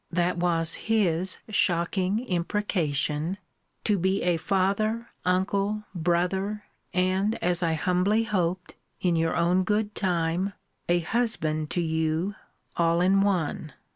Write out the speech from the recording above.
[that was his shocking imprecation] to be a father, uncle, brother, and, as I humbly hoped, in your own good time, a husband to you, all in one.